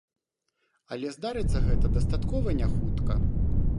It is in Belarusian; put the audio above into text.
Але здарыцца гэта дастаткова няхутка.